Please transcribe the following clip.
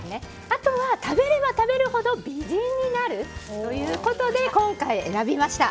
あとは食べれば食べるほど美人になるということで今回、選びました。